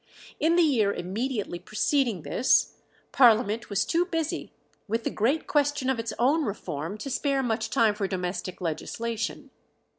In the year immediately preceding this, Parliament was too busy with the great question of its own reform to spare much time for domestic legislation.